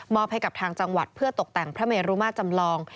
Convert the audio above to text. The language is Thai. ให้กับทางจังหวัดเพื่อตกแต่งพระเมรุมาจำลอง